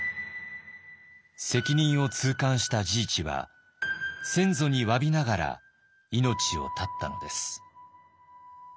責任を痛感した治一は先祖にわびながら命を絶ったのです。